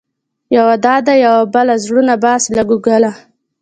یوه دا ده يوه بله، زړونه باسې له ګوګله